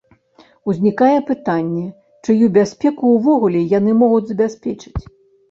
Узнікае пытанне, чыю бяспеку ўвогуле яны могуць забяспечыць?